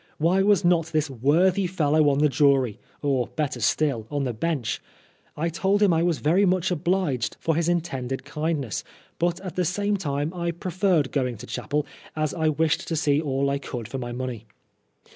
Why was not this worthy fellow on the jury, or better still, on the bench ? I told him I was very much obliged for his intended kindness, but at the same time I preferred going to chapel, as I wished to see all I could for my money.